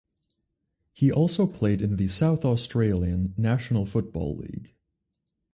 He also played in the South Australian National Football League.